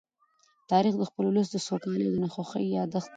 تاریخ د خپل ولس د سوکالۍ او ناخوښۍ يادښت دی.